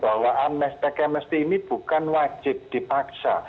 bahwa amnesti tagang mnesti ini bukan wajib dipaksa